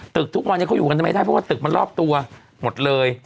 ทุกวันนี้เขาอยู่กันไม่ได้เพราะว่าตึกมันรอบตัวหมดเลย